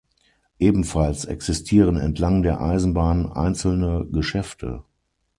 Ebenfalls existieren entlang der Eisenbahn einzelne Geschäfte.